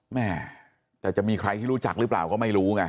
แม่แต่จะมีใครที่รู้จักหรือเปล่าก็ไม่รู้ไง